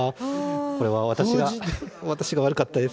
これは私が、私が悪かったです。